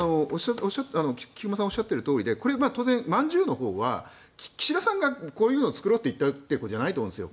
菊間さんがおっしゃっているとおりでまんじゅうのほうは岸田さんがこういうのを作ろうって言ったわけじゃないと思うんです。